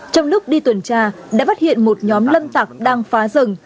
trong lúc đi tuần tra đã phát hiện một nhóm lâm tặc đang phá rừng